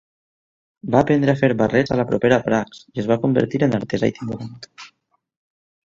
Va aprendre a fer barrets a la propera Prags i es va convertir en artesà itinerant.